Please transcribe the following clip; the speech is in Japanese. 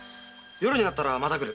夜になったらまた来る。